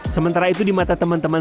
sementara itu di mata teman teman